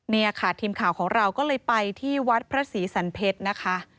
นี่ค่ะทีมข่าวของเราก็เลยไปที่วัดพระศรีสันเพชรนะคะ